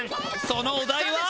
そのお題は？